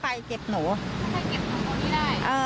ถ้าใครเก็บหนูนี่ได้